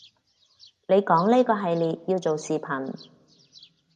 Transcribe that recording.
你講呢個系列要做視頻